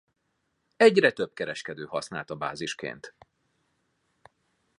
Egyre több kereskedő használta bázisként.